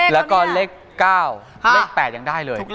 แล้วก็เลขเก้าเลขแปดยังได้เลย